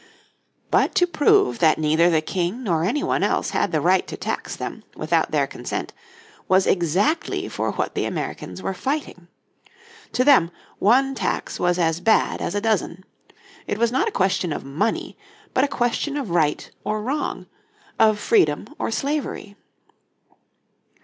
But to prove that neither the King nor any one else had the right to tax them, without their consent, was exactly for what the Americans were fighting. To them, one tax was as bad as a dozen. It was not a question of money, but a question of right or wrong, of freedom or slavery.